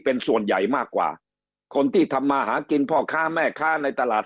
เป็นส่วนใหญ่มากกว่าคนที่ทำมาหากินพ่อค้าแม่ค้าในตลาด